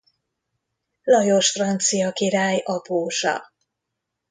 Lajos francia király apósa.